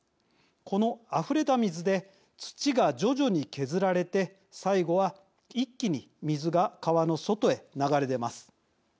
このあふれた水で土が徐々に削られて最後は一気に水が川の外へ流れ出ます。